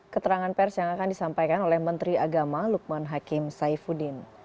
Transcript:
keterangan pers yang akan disampaikan oleh menteri agama lukman hakim saifuddin